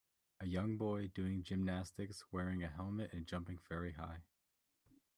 a young boy doing gymnastics wearing a helmet and jumping very high